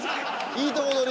いいとこ取り。